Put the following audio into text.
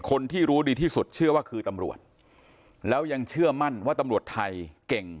คนที่รู้ดีที่สุดเชื่อว่าคือตำรวจแล้วยังเชื่อมั่นว่าตำรวจไทยเก่ง